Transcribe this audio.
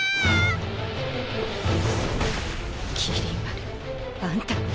麒麟丸あんた